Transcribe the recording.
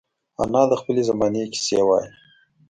انا د خپلې زمانې کیسې وايي